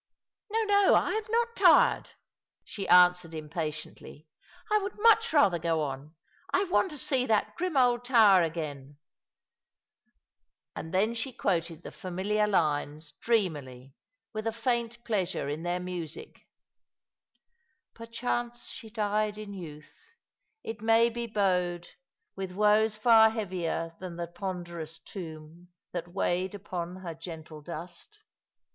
" No, no, I am not tired," she answered impatiently. " I ■^ould much rather go on. I want to see that grim old tower In Silken Cords, 275 again," and then she quoted the familiar lines^ dreamily, with a faint pleasure in their music —" Perchance she died in youth ; it may be bowed With woes far heavier than the ponderous tomb That weighed upon her gentle dust."